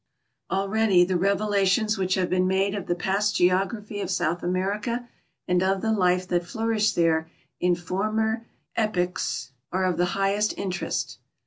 Already the revelations which have been made of the past geography of South America and of the life that flourished there in former epochs are of the highest interest.